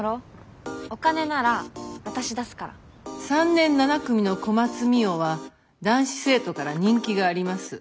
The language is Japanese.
３年７組の小松澪は男子生徒から人気があります。